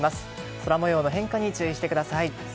空模様の変化に注意してください。